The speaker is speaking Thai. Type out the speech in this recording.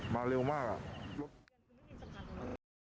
มาเร็วมากอ่ะ